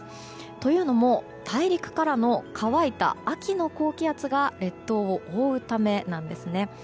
というのも、大陸からの乾いた秋の高気圧が列島を覆うためなんですね。